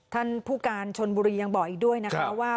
ท่านผู้การชนบุรียังบอกอีกด้วยนะคะว่า